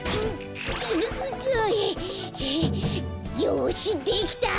よしできた！